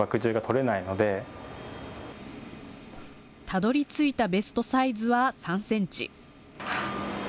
たどりついたベストサイズは３センチ。